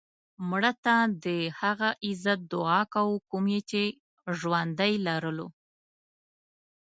مړه ته د هغه عزت دعا کوو کوم یې چې ژوندی لرلو